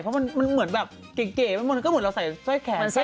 เพราะมันเหมือนแบบเก๋มันก็เหมือนเราใส่สร้อยแขน